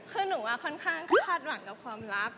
คือหนูว่าค่อนข้างคาดหวังกับความรัก